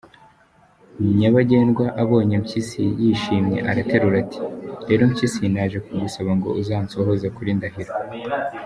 Nyabagendwa abonye Mpyisi yishimye, araterura ati «Rero Mpyisi, naje kugusaba ngo uzansohoze kuri Ndahiro.